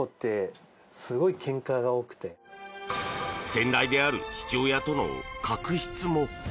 先代である父親との確執も。